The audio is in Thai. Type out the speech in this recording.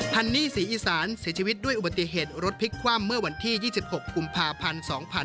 ันนี่ศรีอีสานเสียชีวิตด้วยอุบัติเหตุรถพลิกคว่ำเมื่อวันที่๒๖กุมภาพันธ์๒๕๕๙